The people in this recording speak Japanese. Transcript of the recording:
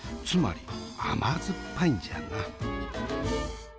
つまり甘酸っぱいんじゃな。